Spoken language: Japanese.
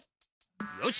よし。